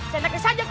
senangnya saja kau